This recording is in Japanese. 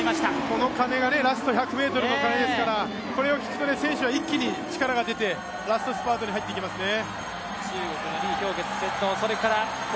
この鐘がラスト１００ｍの鐘ですから、これを聞くと選手は一気に力が出てラストスパートに入っていきますね。